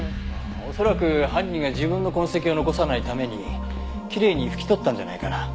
恐らく犯人が自分の痕跡を残さないためにきれいに拭き取ったんじゃないかな。